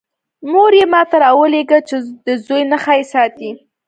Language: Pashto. مور یې ما ته راولېږه چې د زوی نښه یې ساتی.